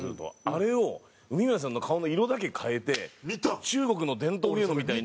あれを梅宮さんの顔の色だけ変えて中国の伝統芸能みたいに。